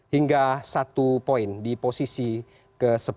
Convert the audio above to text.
hingga satu poin di posisi ke sepuluh